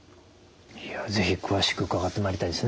いや是非詳しく伺ってまいりたいですね。